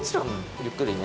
ゆっくりね。